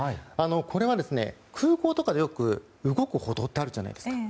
これは空港とかで動く歩道ってよくあるじゃないですか。